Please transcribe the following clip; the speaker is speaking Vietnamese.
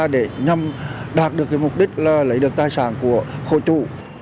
để nhằm đạt được mục đích lấy được tài sản của khu trụ